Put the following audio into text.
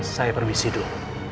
saya pergi tidur